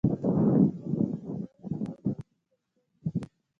ځکه چې موږ به د ګرمۍ له امله کالي ایسته کړي وي.